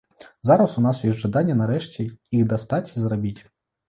Зараз у нас ёсць жаданне нарэшце іх дастаць і зрабіць.